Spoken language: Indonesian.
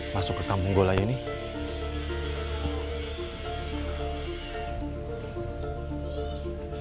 masuk ke kampung gue lagi nih